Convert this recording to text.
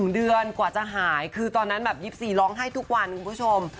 เดือนกว่าจะหายคือตอนนั้นแบบ๒๔ร้องไห้ทุกวันคุณผู้ชม